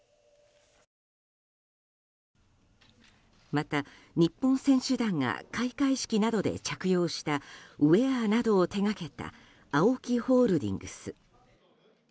また日本選手団が開会式などで着用したウェアなどを手掛けたＡＯＫＩホールディングス。